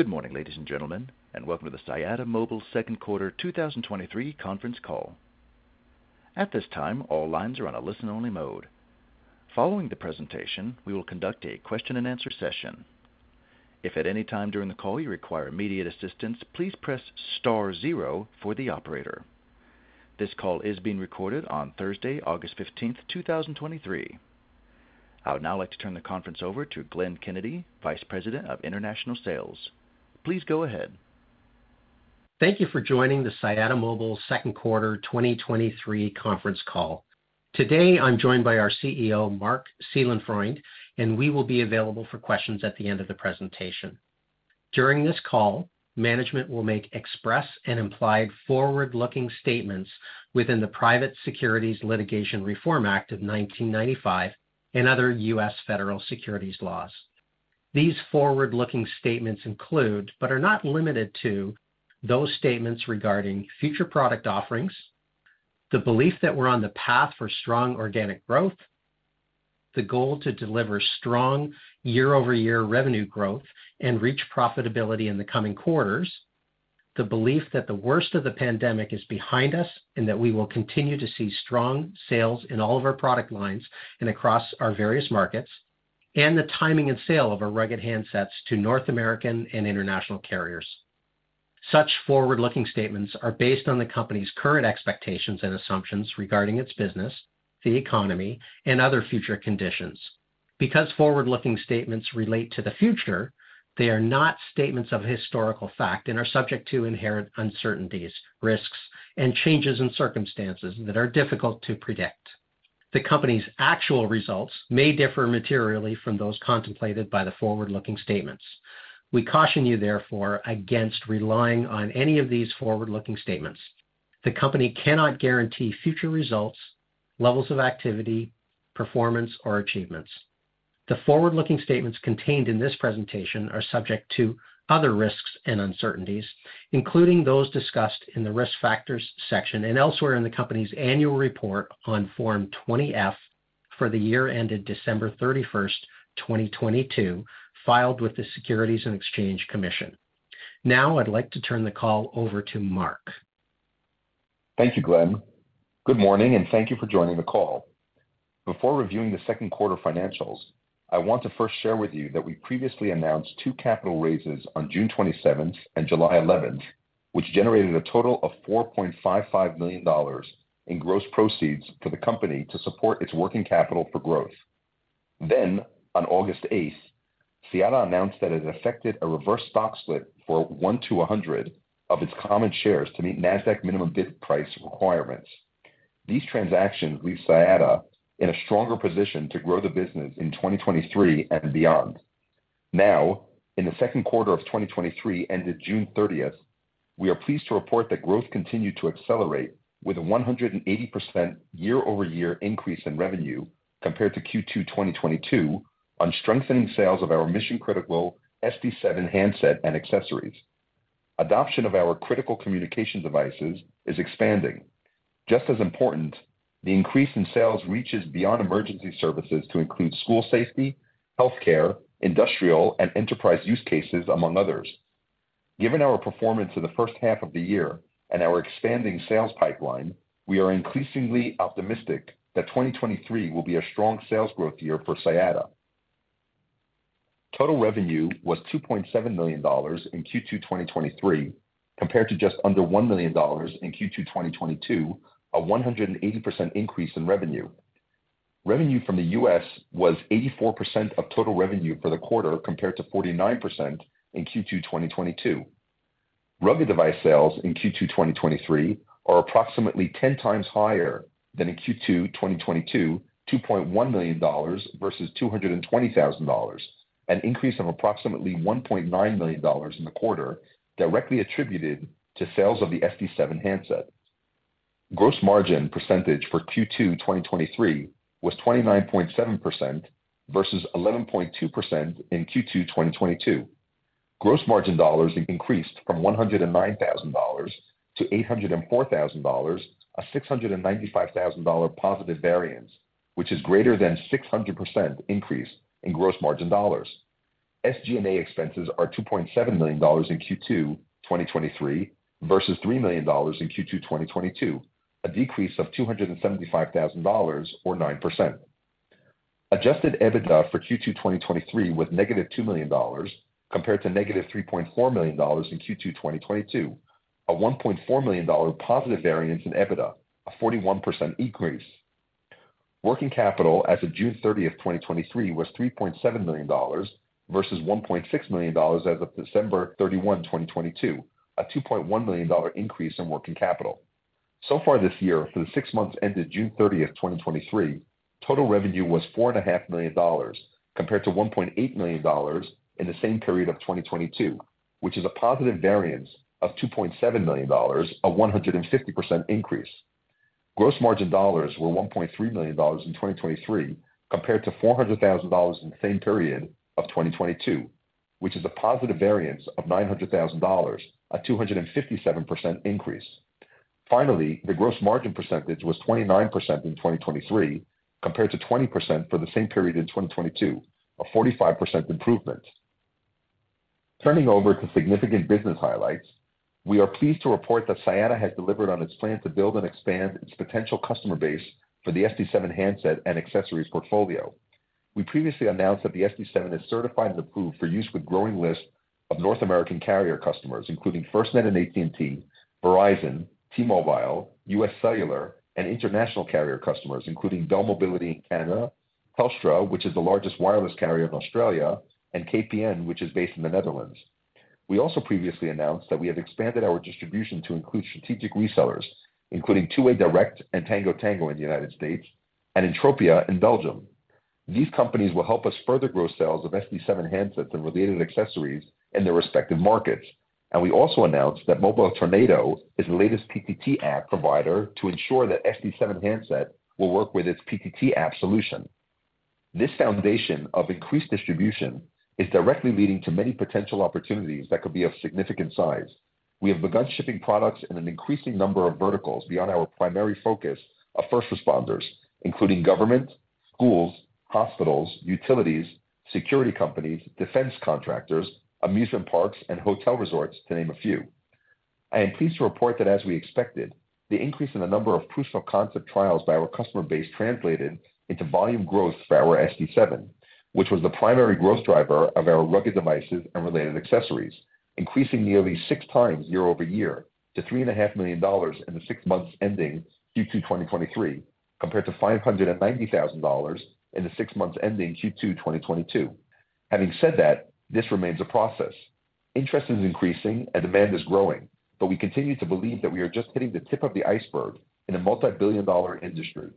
Good morning, ladies and gentlemen, and welcome to the Siyata Mobile second quarter 2023 conference call. At this time, all lines are on a listen-only mode. Following the presentation, we will conduct a question-and-answer session. If at any time during the call you require immediate assistance, please press star zero for the operator. This call is being recorded on Thursday, 15 August, 2023. I would now like to turn the conference over to Glenn Kennedy, Vice President of International Sales. Please go ahead. Thank you for joining the Siyata Mobile second quarter 2023 conference call. Today, I'm joined by our CEO, Marc Seelenfreund, and we will be available for questions at the end of the presentation. During this call, management will make express and implied forward-looking statements within the Private Securities Litigation Reform Act of 1995 and other U.S. federal securities laws. These forward-looking statements include, but are not limited to, those statements regarding future product offerings, the belief that we're on the path for strong organic growth, the goal to deliver strong year-over-year revenue growth and reach profitability in the coming quarters, the belief that the worst of the pandemic is behind us, and that we will continue to see strong sales in all of our product lines and across our various markets, and the timing and sale of our rugged handsets to North American and international carriers. Such forward-looking statements are based on the company's current expectations and assumptions regarding its business, the economy, and other future conditions. Because forward-looking statements relate to the future, they are not statements of historical fact and are subject to inherent uncertainties, risks, and changes in circumstances that are difficult to predict. The company's actual results may differ materially from those contemplated by the forward-looking statements. We caution you, therefore, against relying on any of these forward-looking statements. The company cannot guarantee future results, levels of activity, performance, or achievements. The forward-looking statements contained in this presentation are subject to other risks and uncertainties, including those discussed in the Risk Factors section and elsewhere in the company's Annual Report on Form 20-F for the year ended December 31st, 2022, filed with the Securities and Exchange Commission. Now, I'd like to turn the call over to Marc. Thank you, Glenn. Good morning, thank you for joining the call. Before reviewing the second quarter financials, I want to first share with you that we previously announced two capital raises on June 27th and July 11th, which generated a total of $4.55 million in gross proceeds for the company to support its working capital for growth. On August 8th, Siyata announced that it had affected a reverse stock split for 1 to 100 of its common shares to meet Nasdaq minimum bid price requirements. These transactions leave Siyata in a stronger position to grow the business in 2023 and beyond. In the second quarter of 2023, ended June thirtieth, we are pleased to report that growth continued to accelerate with a 180% year-over-year increase in revenue compared to Q2 2022, on strengthening sales of our mission-critical SD7 handset and accessories. Adoption of our critical communication devices is expanding. Just as important, the increase in sales reaches beyond emergency services to include school safety, healthcare, industrial, and enterprise use cases, among others. Given our performance in the first half of the year and our expanding sales pipeline, we are increasingly optimistic that 2023 will be a strong sales growth year for Siyata. Total revenue was $2.7 million in Q2 2023, compared to just under $1 million in Q2 2022, a 180 increase in revenue. Revenue from the U.S. was 84% of total revenue for the quarter, compared to 49% in Q2 2022. Rugged device sales in Q2 2023 are approximately 10x higher than in Q2 2022, $2.1 million versus $220,000, an increase of approximately $1.9 million in the quarter, directly attributed to sales of the SD7 handset. Gross margin percentage for Q2 2023 was 29.7% versus 11.2% in Q2 2022. Gross margin dollars increased from $109,000-$804,000, a $695,000 positive variance, which is greater than 600% increase in gross margin dollars. SG&A expenses are $2.7 million in Q2 2023 versus $3 million in Q2 2022, a decrease of $275,000 or 9%. Adjusted EBITDA for Q2 2023 was negative $2 million, compared to negative $3.4 million in Q2 2022, a $1.4 million positive variance in EBITDA, a 41% increase. Working capital as of June 30, 2023, was $3.7 million versus $1.6 million as of 31 December, 2022, a $2.1 million increase in working capital. This year, for the six months ended June 30th, 2023, total revenue was $4.5 million, compared to $1.8 million in the same period of 2022, which is a positive variance of $2.7 million, a 150% increase. Gross margin dollars were $1.3 million in 2023, compared to $400,000 in the same period of 2022, which is a positive variance of $900,000, a 257% increase. Finally, the gross margin percentage was 29% in 2023, compared to 20% for the same period in 2022, a 45% improvement. Turning over to significant business highlights, we are pleased to report that Siyata has delivered on its plan to build and expand its potential customer base for the SD7 handset and accessories portfolio. We previously announced that the SD7 is certified and approved for use with growing list of North American carrier customers, including FirstNet and AT&T, Verizon, T-Mobile, U.S. Cellular, and international carrier customers, including Bell Mobility in Canada, Telstra, which is the largest wireless carrier in Australia, and KPN, which is based in the Netherlands. We also previously announced that we have expanded our distribution to include strategic resellers, including Two Way Direct and Tango Tango in the United States, and Entropia in Belgium. These companies will help us further grow sales of SD7 handsets and related accessories in their respective markets. We also announced that Mobile Tornado is the latest PTT app provider to ensure that SD7 handset will work with its PTT app solution. This foundation of increased distribution is directly leading to many potential opportunities that could be of significant size. We have begun shipping products in an increasing number of verticals beyond our primary focus of first responders, including government, schools, hospitals, utilities, security companies, defense contractors, amusement parks, and hotel resorts, to name a few. I am pleased to report that, as we expected, the increase in the number of proof-of-concept trials by our customer base translated into volume growth for our SD7, which was the primary growth driver of our rugged devices and related accessories, increasing nearly 6x year-over-year to $3.5 million in the 6 months ending Q2 2023, compared to $590,000 in the six months ending Q2 2022. Having said that, this remains a process. Interest is increasing and demand is growing, but we continue to believe that we are just hitting the tip of the iceberg in a multi-billion-dollar industry.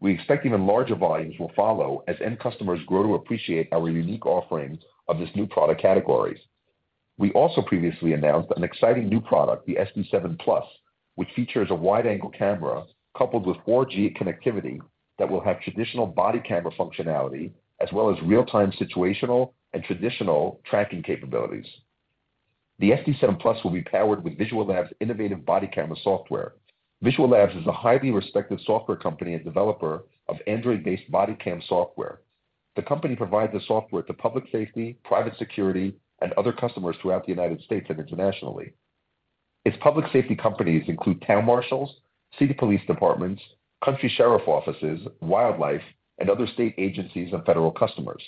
We expect even larger volumes will follow as end customers grow to appreciate our unique offering of this new product categories. We also previously announced an exciting new product, the SD7 Plus, which features a wide-angle camera coupled with 4G connectivity that will have traditional body camera functionality, as well as real-time situational and traditional tracking capabilities. The SD7 Plus will be powered with Visual Labs' innovative body camera software. Visual Labs is a highly respected software company and developer of Android-based body cam software. The company provides the software to public safety, private security, and other customers throughout the United States and internationally. Its public safety companies include town marshals, city police departments, country sheriff offices, wildlife, and other state agencies, and federal customers.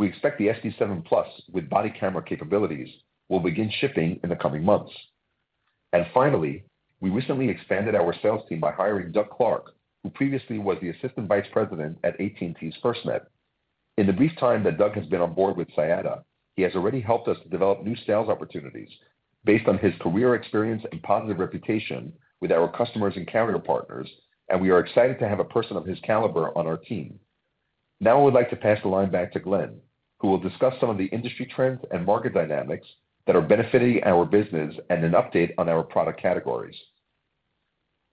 We expect the SD7 Plus, with body camera capabilities, will begin shipping in the coming months. Finally, we recently expanded our sales team by hiring Doug Clark, who previously was the Assistant Vice President at AT&T's FirstNet. In the brief time that Doug has been on board with Siyata, he has already helped us to develop new sales opportunities based on his career experience and positive reputation with our customers and carrier partners, and we are excited to have a person of his caliber on our team. Now, I would like to pass the line back to Glenn, who will discuss some of the industry trends and market dynamics that are benefiting our business, and an update on our product categories.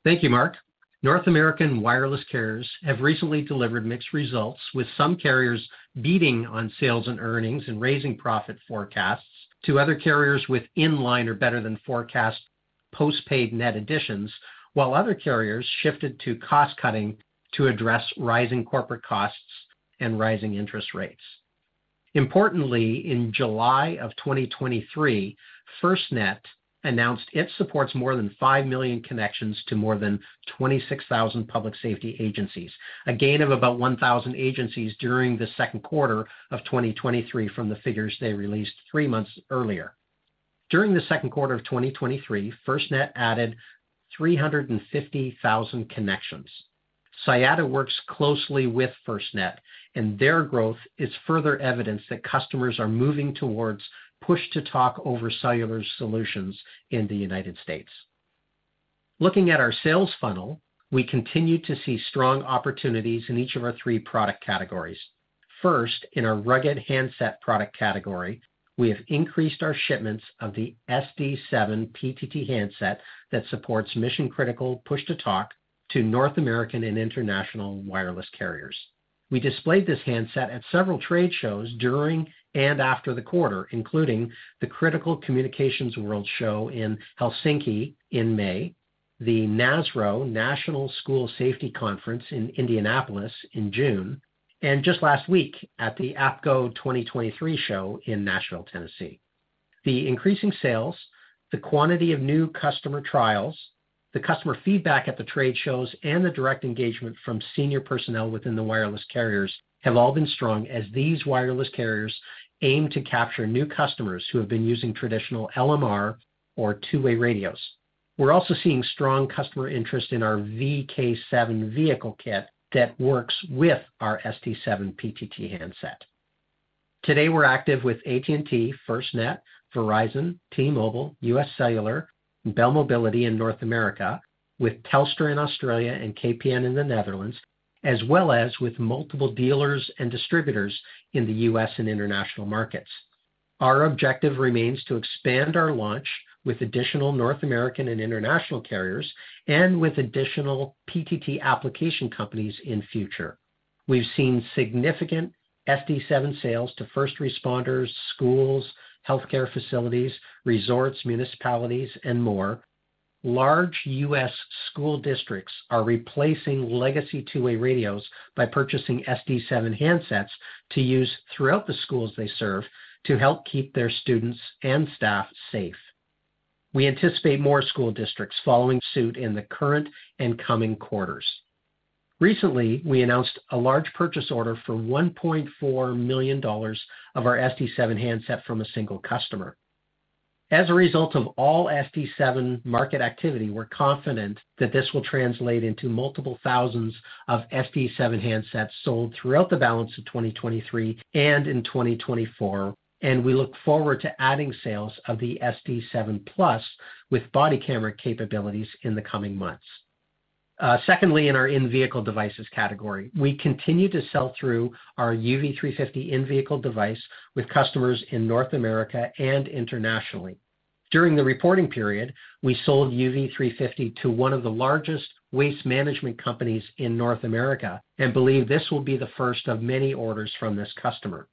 Thank you, Mark. North American wireless carriers have recently delivered mixed results, with some carriers beating on sales and earnings and raising profit forecasts to other carriers with in-line or better-than-forecast postpaid net additions, while other carriers shifted to cost-cutting to address rising corporate costs and rising interest rates. Importantly, in July of 2023, FirstNet announced it supports more than 5 million connections to more than 26,000 public safety agencies, a gain of about 1,000 agencies during the second quarter of 2023 from the figures they released three months earlier. During the second quarter of 2023, FirstNet added 350,000 connections. Siyata works closely with FirstNet. Their growth is further evidence that customers are moving towards push-to-talk over cellular solutions in the United States. Looking at our sales funnel, we continue to see strong opportunities in each of our three product categories. First, in our rugged handset product category, we have increased our shipments of the SD7 PTT handset that supports mission-critical push-to-talk to North American and international wireless carriers. We displayed this handset at several trade shows during and after the quarter, including the Critical Communications World Show in Helsinki in May, the NASRO National School Safety Conference in Indianapolis in June, and just last week at the APCO 2023 show in Nashville, Tennessee. The increasing sales, the quantity of new customer trials, the customer feedback at the trade shows, and the direct engagement from senior personnel within the wireless carriers have all been strong as these wireless carriers aim to capture new customers who have been using traditional LMR or two-way radios. We're also seeing strong customer interest in our VK7 vehicle kit that works with our SD7 PTT handset. Today, we're active with AT&T, FirstNet, Verizon, T-Mobile, U.S. Cellular, Bell Mobility in North America, with Telstra in Australia and KPN in the Netherlands, as well as with multiple dealers and distributors in the U.S. and international markets. Our objective remains to expand our launch with additional North American and international carriers and with additional PTT application companies in future.... We've seen significant SD7 sales to first responders, schools, healthcare facilities, resorts, municipalities, and more. Large U.S. school districts are replacing legacy two-way radios by purchasing SD7 handsets to use throughout the schools they serve to help keep their students and staff safe. We anticipate more school districts following suit in the current and coming quarters. Recently, we announced a large purchase order for $1.4 million of our SD7 handset from a single customer. As a result of all SD7 market activity, we're confident that this will translate into multiple thousands of SD7 handsets sold throughout the balance of 2023 and in 2024, and we look forward to adding sales of the SD7 Plus with body camera capabilities in the coming months. Secondly, in our in-vehicle devices category, we continue to sell through our UV350 in-vehicle device with customers in North America and internationally. During the reporting period, we sold UV350 to one of the largest waste management companies in North America and believe this will be the first of many orders from this customer.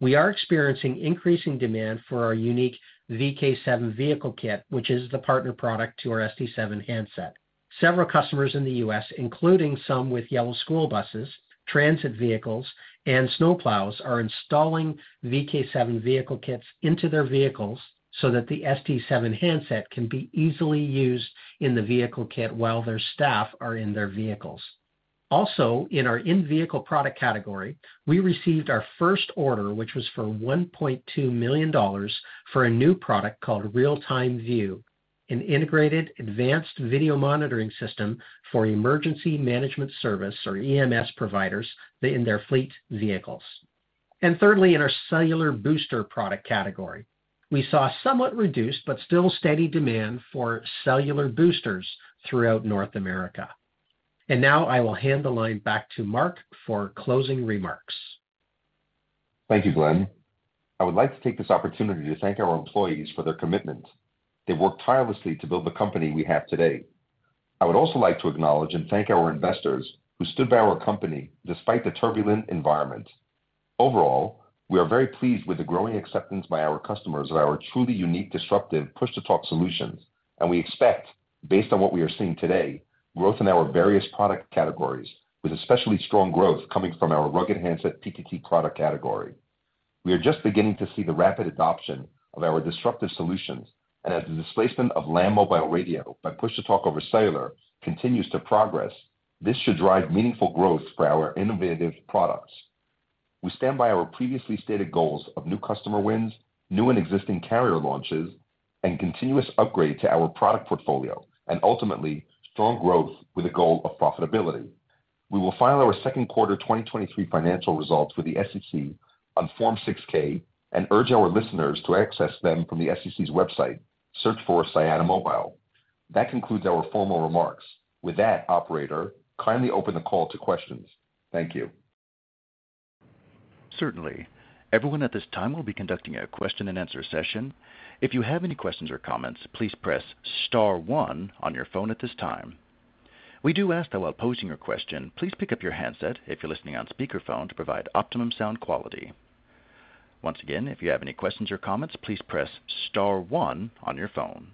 We are experiencing increasing demand for our unique VK7 vehicle kit, which is the partner product to our SD7 handset. Several customers in the U.S., including some with yellow school buses, transit vehicles, and snowplows, are installing VK7 vehicle kits into their vehicles so that the SD7 handset can be easily used in the vehicle kit while their staff are in their vehicles. Also, in our in-vehicle product category, we received our first order, which was for $1.2 million for a new product called Real Time View, an integrated advanced video monitoring system for emergency management service or EMS providers in their fleet vehicles. Thirdly, in our cellular booster product category, we saw somewhat reduced but still steady demand for cellular boosters throughout North America. Now I will hand the line back to Mark for closing remarks. Thank you, Glenn. I would like to take this opportunity to thank our employees for their commitment. They've worked tirelessly to build the company we have today. I would also like to acknowledge and thank our investors who stood by our company despite the turbulent environment. Overall, we are very pleased with the growing acceptance by our customers of our truly unique, disruptive, push-to-talk solutions, and we expect, based on what we are seeing today, growth in our various product categories, with especially strong growth coming from our rugged handset PTT product category. We are just beginning to see the rapid adoption of our disruptive solutions, and as the displacement of Land Mobile Radio by push-to-talk over cellular continues to progress, this should drive meaningful growth for our innovative products. We stand by our previously stated goals of new customer wins, new and existing carrier launches, and continuous upgrade to our product portfolio, and ultimately strong growth with a goal of profitability. We will file our second quarter 2023 financial results with the SEC on Form 6-K and urge our listeners to access them from the SEC's website. Search for Siyata Mobile. That concludes our formal remarks. With that, operator, kindly open the call to questions. Thank you. Certainly. Everyone at this time will be conducting a question-and-answer session. If you have any questions or comments, please press star one on your phone at this time. We do ask that while posing your question, please pick up your handset if you're listening on speakerphone, to provide optimum sound quality. Once again, if you have any questions or comments, please press star one on your phone.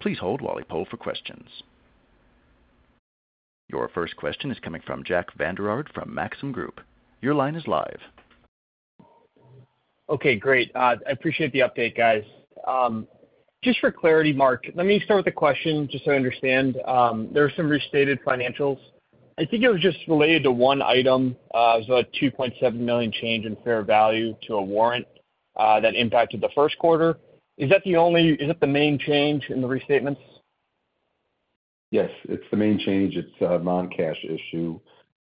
Please hold while we poll for questions. Your first question is coming from Jack Vander Aarde from Maxim Group. Your line is live. Okay, great. I appreciate the update, guys. Just for clarity, Mark, let me start with a question, just so I understand. There are some restated financials. I think it was just related to one item, so a $2.7 million change in fair value to a warrant that impacted the first quarter. Is that the main change in the restatements? Yes, it's the main change. It's a non-cash issue,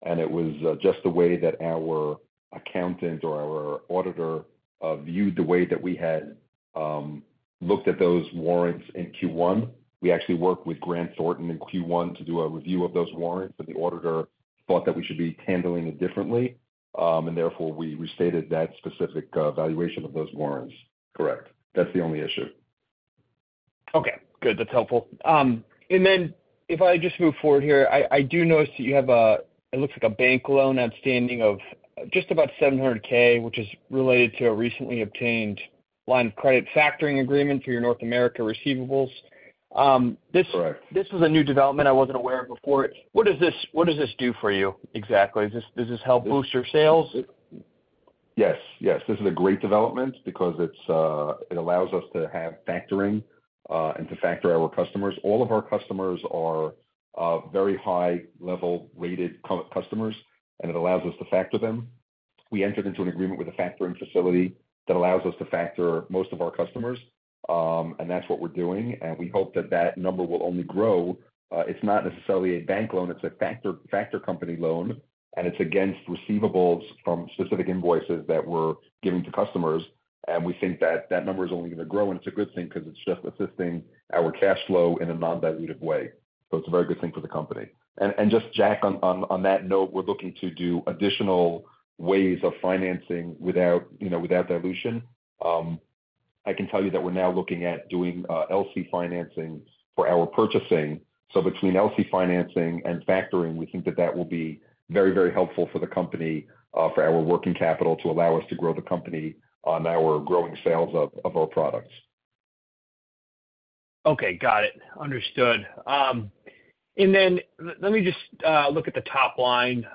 and it was just the way that our accountant or our auditor viewed the way that we had looked at those warrants in Q1. We actually worked with Grant Thornton in Q1 to do a review of those warrants, but the auditor thought that we should be handling it differently, and therefore, we restated that specific valuation of those warrants. Correct. That's the only issue. Okay, good. That's helpful. Then if I just move forward here, I, I do notice that you have a... It looks like a bank loan outstanding of just about $700K, which is related to a recently obtained line of credit factoring agreement for your North America receivables. This... Correct. This is a new development I wasn't aware of before. What does this do for you exactly? Does this help boost your sales? Yes. Yes. This is a great development because it's, it allows us to have factoring, and to factor our customers. All of our customers are, very high-level rated co- customers, and it allows us to factor them. We entered into an agreement with a factoring facility that allows us to factor most of our customers, and that's what we're doing, and we hope that that number will only grow. It's not necessarily a bank loan, it's a factor, factor company loan, and it's against receivables from specific invoices that we're giving to customers. We think that that number is only going to grow, and it's a good thing because it's just assisting our cash flow in a non-dilutive way. It's a very good thing for the company. Just Jack, on that note, we're looking to do additional ways of financing without, you know, without dilution. I can tell you that we're now looking at doing LC financing for our purchasing. Between LC financing and factoring, we think that that will be very, very helpful for the company, for our working capital to allow us to grow the company on our growing sales of our products. Okay. Got it. Understood. Let me just look at the top line.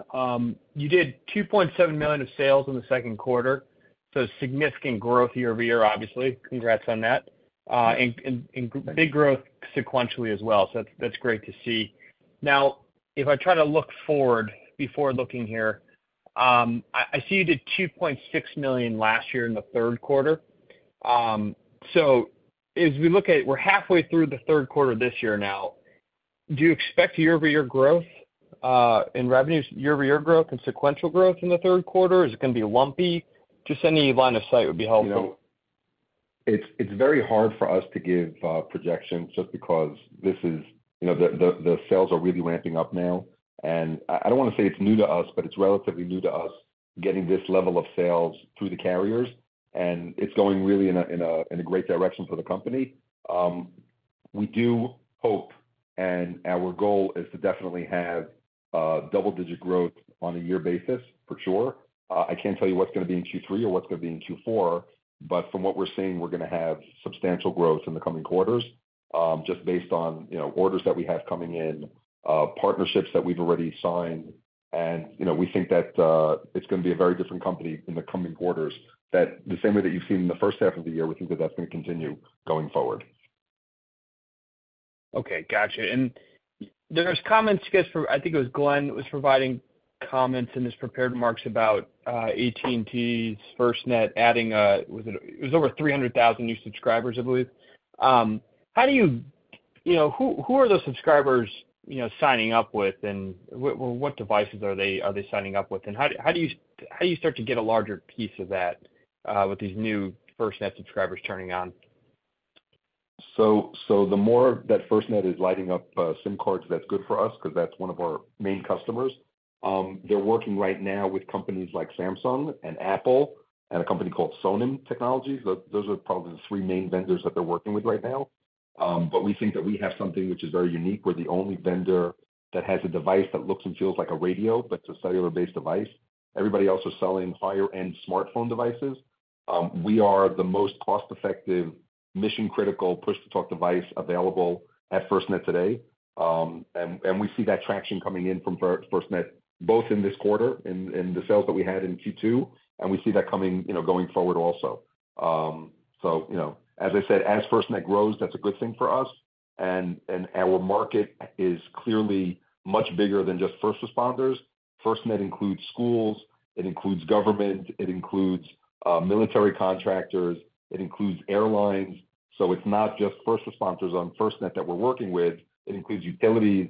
You did $2.7 million of sales in the second quarter, so significant growth year-over-year, obviously. Congrats on that. And big growth sequentially as well, so that's, that's great to see. If I try to look forward before looking here, I see you did $2.6 million last year in the third quarter. As we look at, we're halfway through the third quarter this year now, do you expect year-over-year growth in revenues, year-over-year growth and sequential growth in the third quarter? Is it gonna be lumpy? Just any line of sight would be helpful. You know, it's, it's very hard for us to give projections just because this is, you know, the, the, the sales are really ramping up now. I, I don't wanna say it's new to us, but it's relatively new to us, getting this level of sales through the carriers, and it's going really in a, in a, in a great direction for the company. We do hope, and our goal is to definitely have double-digit growth on a year basis, for sure. I can't tell you what's gonna be in Q3 or what's gonna be in Q4, but from what we're seeing, we're gonna have substantial growth in the coming quarters, just based on, you know, orders that we have coming in, partnerships that we've already signed. You know, we think that, it's gonna be a very different company in the coming quarters, that the same way that you've seen in the first half of the year, we think that that's gonna continue going forward. Okay. Gotcha. There's comments, I guess, from... I think it was Glenn, that was providing comments in his prepared remarks about AT&T's FirstNet adding, it was over 300,000 new subscribers, I believe. You know, who, who are those subscribers, you know, signing up with, and what devices are they, are they signing up with? How, how do you start to get a larger piece of that with these new FirstNet subscribers turning on? The more that FirstNet is lighting up SIM cards, that's good for us, 'cause that's one of our main customers. They're working right now with companies like Samsung and Apple and a company called Sonim Technologies. Those, those are probably the three main vendors that they're working with right now. We think that we have something which is very unique. We're the only vendor that has a device that looks and feels like a radio, but it's a cellular-based device. Everybody else is selling higher-end smartphone devices. We are the most cost-effective, mission-critical push-to-talk device available at FirstNet today. We see that traction coming in from FirstNet, both in this quarter, in the sales that we had in Q2, and we see that coming, you know, going forward also. You know, as I said, as FirstNet grows, that's a good thing for us, and our market is clearly much bigger than just first responders. FirstNet includes schools, it includes government, it includes military contractors, it includes airlines. It's not just first responders on FirstNet that we're working with. It includes utilities.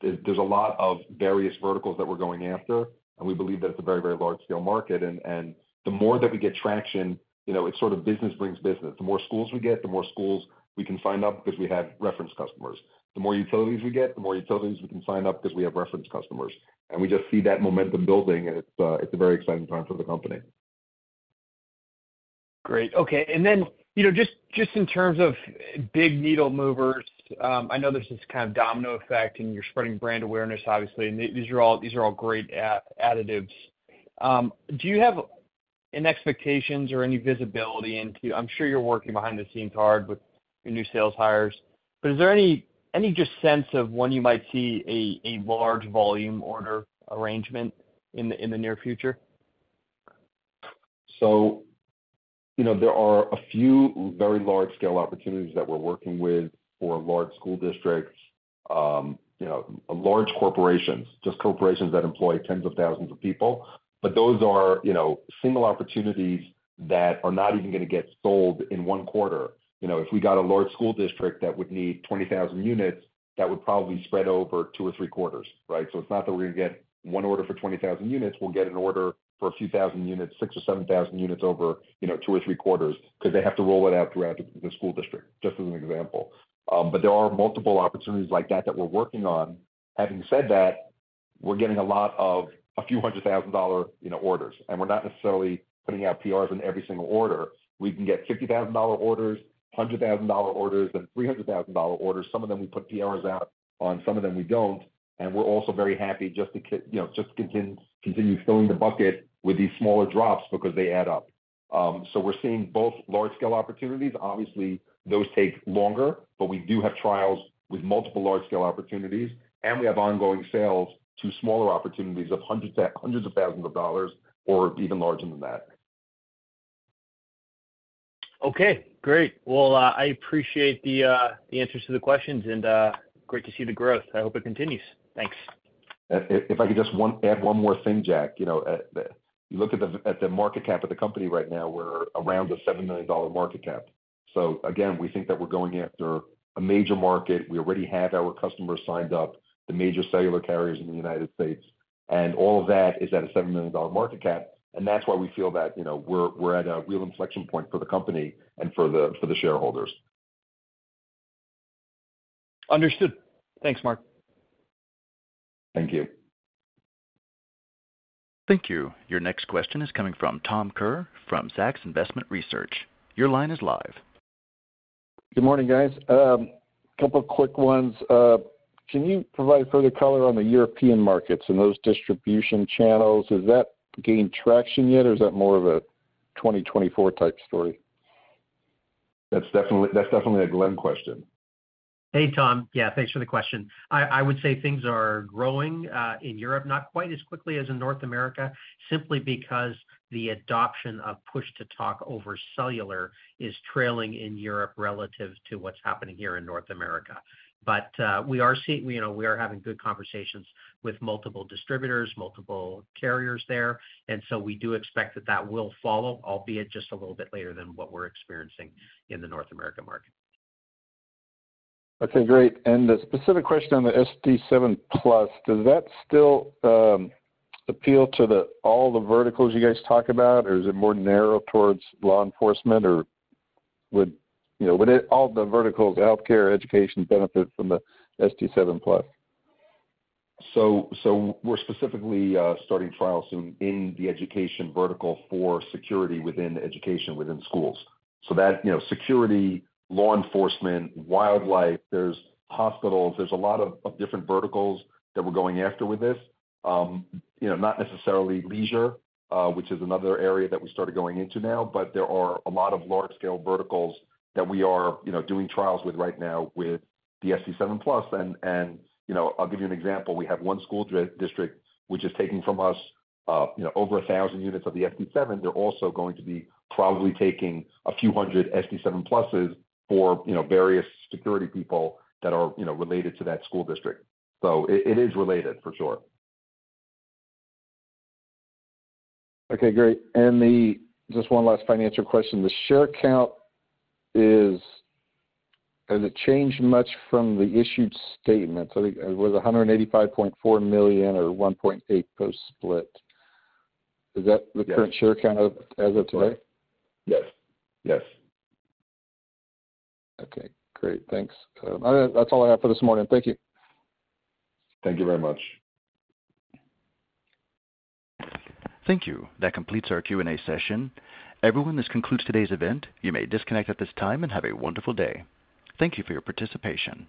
There's, there's a lot of various verticals that we're going after, and we believe that it's a very, very large-scale market, and the more that we get traction, you know, it's sort of business brings business. The more schools we get, the more schools we can sign up because we have reference customers. The more utilities we get, the more utilities we can sign up because we have reference customers, and we just see that momentum building, and it's, it's a very exciting time for the company. Great. Okay, then, you know, just, just in terms of big needle movers, I know there's this kind of domino effect, and you're spreading brand awareness, obviously, and these are all- these are all great additives. Do you have any expectations or any visibility into... I'm sure you're working behind the scenes hard with your new sales hires, but is there any, any just sense of when you might see a, a large volume order arrangement in the, in the near future? You know, there are a few very large-scale opportunities that we're working with for large school districts, you know, large corporations, just corporations that employ tens of thousands of people. Those are, you know, single opportunities that are not even gonna get sold in one quarter. You know, if we got a large school district that would need 20,000 units, that would probably spread over two or three quarters, right? It's not that we're gonna get one order for 20,000 units. We'll get an order for a few thousand units, 6,000 or 7,000 units over, you know, two or three quarters, because they have to roll it out throughout the school district, just as an example. There are multiple opportunities like that, that we're working on. Having said that, we're getting a lot of a few hundred thousand dollar, you know, orders, and we're not necessarily putting out PRs on every single order. We can get $50,000 orders, $100,000 orders, and $300,000 orders. Some of them, we put PRs out on, some of them we don't, and we're also very happy just to you know, just continue, continue filling the bucket with these smaller drops because they add up. We're seeing both large-scale opportunities. Obviously, those take longer, but we do have trials with multiple large-scale opportunities, and we have ongoing sales to smaller opportunities of hundreds to hundreds of thousands of dollars or even larger than that. Okay, great. Well, I appreciate the answers to the questions, and great to see the growth. I hope it continues. Thanks. If I could just add one more thing, Jack. You know, you look at the market cap of the company right now, we're around a $7 million market cap. Again, we think that we're going after a major market. We already have our customers signed up, the major cellular carriers in the United States, and all of that is at a $7 million market cap, and that's why we feel that, you know, we're, we're at a real inflection point for the company and for the shareholders. Understood. Thanks, Mark. Thank you. Thank you. Your next question is coming from Tom Kerr from Zacks Investment Research. Your line is live. Good morning, guys. Couple of quick ones. Can you provide further color on the European markets and those distribution channels? Has that gained traction yet, or is that more of a 2024 type story? That's definitely, that's definitely a Glenn question. Hey, Tom. Yeah, thanks for the question. I, I would say things are growing in Europe, not quite as quickly as in North America, simply because the adoption of push-to-talk over cellular is trailing in Europe relative to what's happening here in North America. We are seeing, you know, we are having good conversations with multiple distributors, multiple carriers there, and so we do expect that that will follow, albeit just a little bit later than what we're experiencing in the North American market. Okay, great. A specific question on the SD7 Plus. Does that still appeal to all the verticals you guys talk about, or is it more narrow towards law enforcement? Would, you know, all the verticals, healthcare, education, benefit from the SD7 Plus? We're specifically starting trials soon in the education vertical for security within education, within schools. That, you know, security, law enforcement, wildlife, there's hospitals, there's a lot of different verticals that we're going after with this. You know, not necessarily leisure, which is another area that we started going into now, but there are a lot of large-scale verticals that we are, you know, doing trials with right now with the SD7 Plus. You know, I'll give you an example. We have one school district, which is taking from us, you know, over 1,000 units of the SD7. They're also going to be probably taking a few hundred SD7 Pluses for, you know, various security people that are, you know, related to that school district. It, it is related for sure. Okay, great. Just one last financial question. The share count is, has it changed much from the issued statement? I think it was 185.4 million or 1.8 post-split. Is that- Yes. the current share count of as of today? Yes. Yes. Okay, great. Thanks. That's all I have for this morning. Thank you. Thank you very much. Thank you. That completes our Q&A session. Everyone, this concludes today's event. You may disconnect at this time and have a wonderful day. Thank you for your participation.